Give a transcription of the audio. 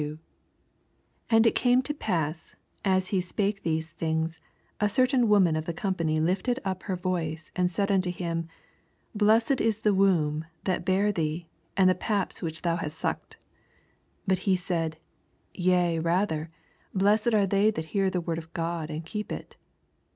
27 And it came to pass, as he spake cliese things, a certain woman ot the company lifted up her voice, and said unto him, Blessed is the womb that bare thee, and the paps which thou oast sucked. 28 Bat he said, Tea rather, blessed a/re they that hear the word of God, and keep it.